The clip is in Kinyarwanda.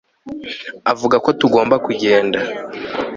avuga ko tugomba kugenda